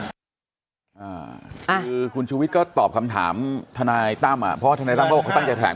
คือคุณชุวิตก็ตอบคำถามทนายตั้มอ่ะเพราะว่าทนายตั้มก็ตั้งแถง